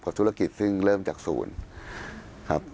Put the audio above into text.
ธุรกิจซึ่งเริ่มจากศูนย์ครับ